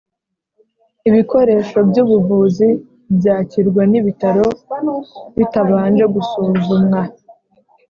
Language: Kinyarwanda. Ibikoresho by ubuvuzi byakirwa n Ibitaro bitabanje gusuzumwa